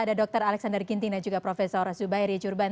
ada dr alexander ginting dan juga profesor zubairi jurban